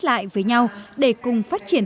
lại với nhau để cùng phát triển